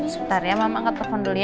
sebentar ya mama angkat telepon dulu ya